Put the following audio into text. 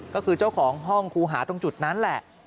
ก็คือเจ้าของห้องครูหาตรงจุดนั้นแหละ